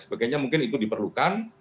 sebagainya mungkin itu diperlukan